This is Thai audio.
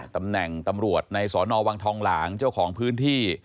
ตำแหน่งตำรวจในสอนอวังทองหลางเจ้าของพื้นที่